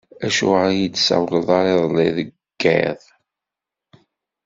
Acuɣer ur yi-d-tessawleḍ ara iḍelli deg yiḍ?